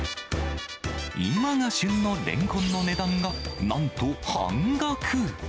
今が旬のレンコンの値段が、なんと半額。